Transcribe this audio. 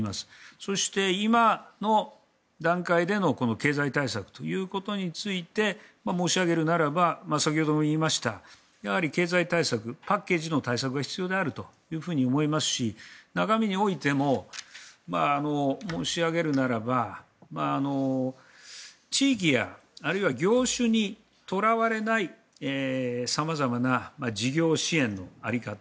そして、今の段階での経済対策ということについて申し上げるならば先ほども言いましたがやはり経済対策パッケージの対策が必要だと思いますし中身においても申し上げるならば地域やあるいは業種にとらわれない様々な事業支援の在り方。